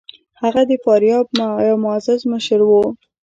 هغه د فاریاب یو معزز مشر دی.